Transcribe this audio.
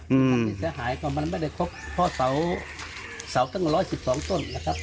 ผักที่เสียหายก็มันไม่ได้ครบเพราะเสาตั้ง๑๑๒ต้นนะครับ